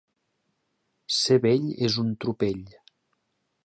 Ser vell és un tropell.